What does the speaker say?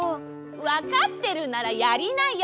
わかってるならやりなよ！